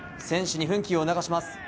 選手に奮起を促します。